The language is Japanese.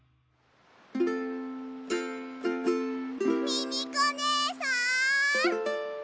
ミミコねえさん！